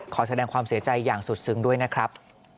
ขอแสดงความเสียใจอย่างสุดซึ้งด้วยนะครับ